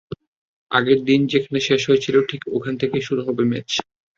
আগের দিন যেখানে শেষ হয়েছিল, ঠিক ওখান থেকেই শুরু হবে ম্যাচ।